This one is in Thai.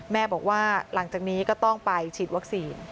แม่บอกว่าหลังจากนี้ก็ต้องไปฉีดวัคซีน